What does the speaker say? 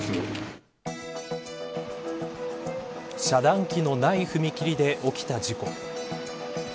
遮断機のない踏切で起きた事故。